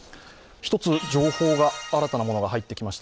一つ情報が新たなものが入ってきました。